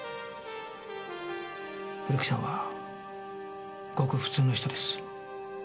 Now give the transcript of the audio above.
古木さんはごく普通の人です。